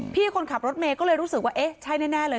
พี่คนขับรถเมย์ก็เลยรู้สึกว่าเอ๊ะใช่แน่เลย